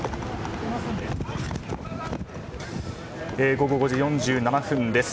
午後５時４７分です。